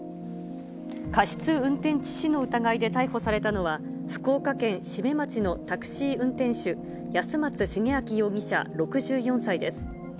過失運転致死の疑いで逮捕されたのは、福岡県志免町のタクシー運転手、安松滋明容疑者６４歳です。